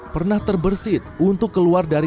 pernah terbersih untuk keluar dari